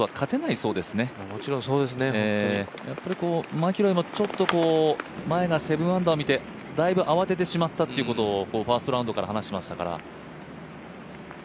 マキロイも前が７アンダー見てだいぶ慌ててしまったということを、ファーストラウンドから話してましたから。